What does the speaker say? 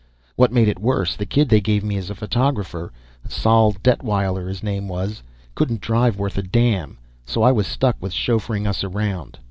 What made it worse, the kid they gave me as photographer Sol Detweiler, his name was couldn't drive worth a damn, so I was stuck with chauffeuring us around.